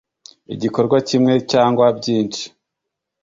igikorwa kimwe cyangwa byinshi